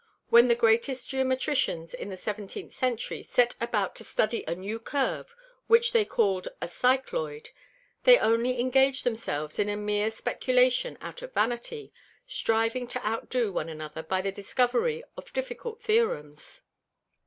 When the greatest Geometricians in the Seventeenth Century set about to study a new Curve, which they call'd a Cycloide, they only engag'd themselves in a meer Speculation out of Vanity, striving to outdo one another by the Discovery of difficult Theorems.